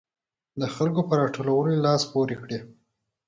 د خلکو په راټولولو لاس پورې کړي.